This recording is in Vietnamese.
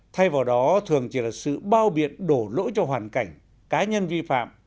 thay vào đó thường chỉ là sự bao biện đổ lỗi cho hoàn cảnh cá nhân vi phạm